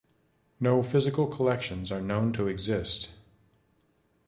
No physical collections are known to exist.